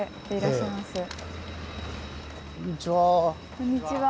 こんにちは。